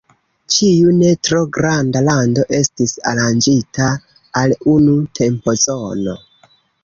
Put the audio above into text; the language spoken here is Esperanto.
Ĉiu ne tro granda lando estis aranĝita al unu tempozono.